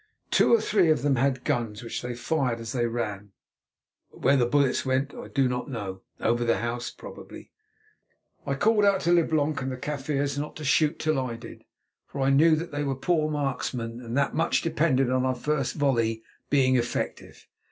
Two or three of them had guns, which they fired as they ran, but where the bullets went I do not know, over the house probably. I called out to Leblanc and the Kaffirs not to shoot till I did, for I knew that they were poor marksmen and that much depended upon our first volley being effective.